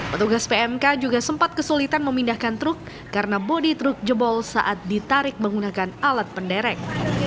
petugas pmk juga sempat kesulitan memindahkan truk karena bodi truk jebol saat ditarik menggunakan alat penderek